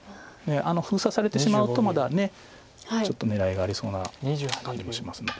封鎖されてしまうとまだちょっと狙いがありそうな感じもしますので。